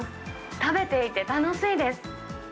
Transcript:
食べていて楽しいです。